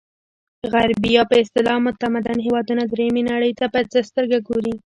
غربي یا په اصطلاح متمدن هېوادونه درېیمې نړۍ ته په څه سترګه ګوري.